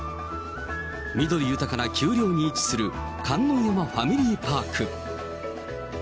緑豊かな丘陵に位置する観音山ファミリーパーク。